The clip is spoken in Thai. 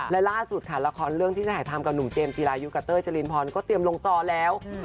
และล่าสุดค่ะละครเรื่องที่ถ่ายทำกับหนุ่มเจมส์กับเต้ยจรินพรก็เตรียมลงจอแล้ว